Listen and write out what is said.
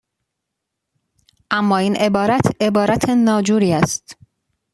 اما این عبارت، عبارت ناجوری است.